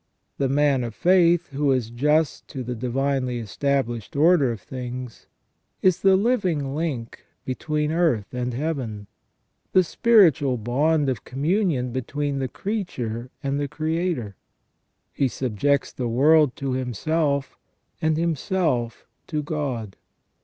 The man of faith, who is just to the divinely established order of things, is the living link between earth and Heaven, the spiritual bond of communion between the creature and the Creator. He subjects the world to himself, and himself to God.